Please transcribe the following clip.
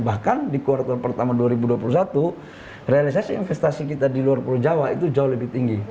bahkan di kuartal pertama dua ribu dua puluh satu realisasi investasi kita di luar pulau jawa itu jauh lebih tinggi